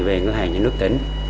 về ngân hàng nhà nước tỉnh